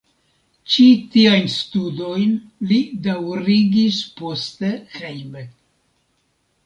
Ĉi tiajn studojn li daŭrigis poste hejme.